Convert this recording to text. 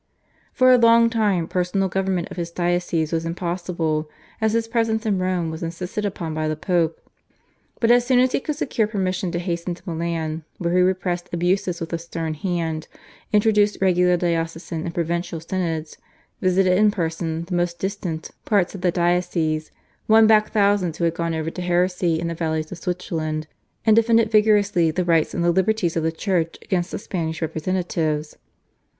For a long time personal government of his diocese was impossible as his presence in Rome was insisted upon by the Pope; but as soon as he could secure permission he hastened to Milan, where he repressed abuses with a stern hand, introduced regular diocesan and provincial synods, visited in person the most distant parts of the diocese, won back thousands who had gone over to heresy in the valleys of Switzerland, and defended vigorously the rights and the liberties of the Church against the Spanish representatives.